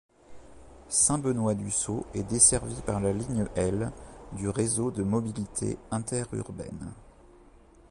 Saint-Benoît-du-Sault est desservie par la ligne L du Réseau de mobilité interurbaine.